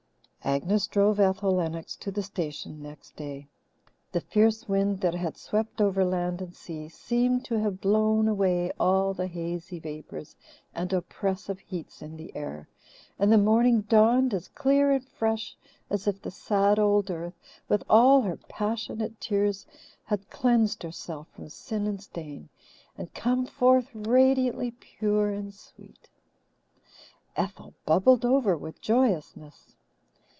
Agnes drove Ethel Lennox to the station next day. The fierce wind that had swept over land and sea seemed to have blown away all the hazy vapours and oppressive heats in the air, and the morning dawned as clear and fresh as if the sad old earth with all her passionate tears had cleansed herself from sin and stain and come forth radiantly pure and sweet. Ethel bubbled over with joyousness.